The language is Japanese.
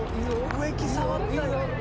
植木触った。